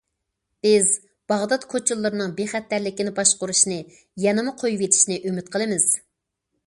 بىز باغدات كوچىلىرىنىڭ بىخەتەرلىكىنى باشقۇرۇشنى يەنىمۇ قويۇۋېتىشنى ئۈمىد قىلىمىز.